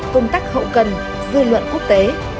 công tác hậu gần dư luận quốc tế